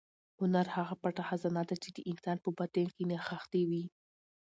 هنر هغه پټه خزانه ده چې د انسان په باطن کې نغښتې وي.